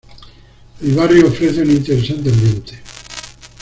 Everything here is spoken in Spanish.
El barrio ofrece un interesante ambiente.